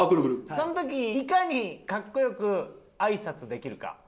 その時いかにかっこ良くあいさつできるか。